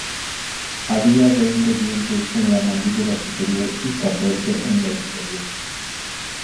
Había veinte dientes en la mandíbula superior y catorce en la inferior.